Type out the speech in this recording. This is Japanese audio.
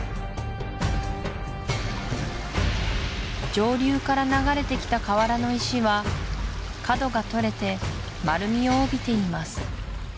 上流から流れてきた河原の石は角がとれて丸みをおびています